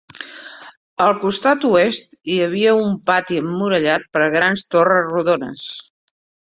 Al costat oest hi havia un pati emmurallat per grans torres rodones.